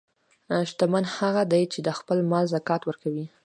شتمن هغه دی چې د خپل مال زکات ورکوي.